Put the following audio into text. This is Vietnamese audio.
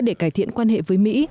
để cải thiện quan hệ với mỹ